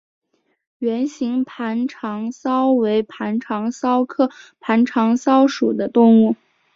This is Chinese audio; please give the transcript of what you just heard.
圆形盘肠蚤为盘肠蚤科盘肠蚤属的动物。